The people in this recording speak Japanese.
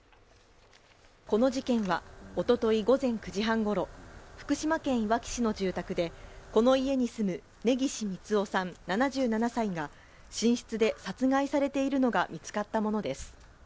この事件はおととい午前９時半ごろ福島県いわき市の住宅でこの家に住む根岸三男さん７７歳が寝室で殺害されているのが見つかったものです